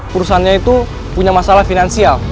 perusahaannya itu punya masalah finansial